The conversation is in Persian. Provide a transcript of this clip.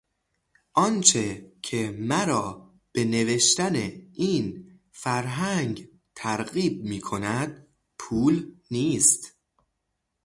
آنچه که مرا به نوشتن این فرهنگ ترغیب میکند، پول نیست.